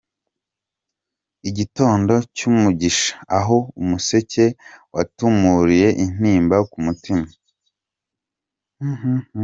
Igitondo cy’umugisha aho umuseke watamuruye intimba ku mutima!